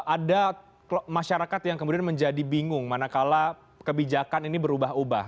ada masyarakat yang kemudian menjadi bingung manakala kebijakan ini berubah ubah